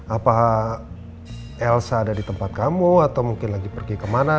apa elsa ada di tempat kamu atau mungkin lagi pergi kemana